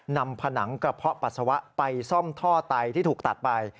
ผนังกระเพาะปัสสาวะไปซ่อมท่อไตที่ถูกตัดไป